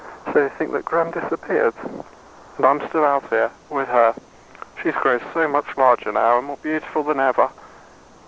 So they think that Gremm disappeared. And I'm still out here with her. She's grown so much larger now, and more beautiful than ever.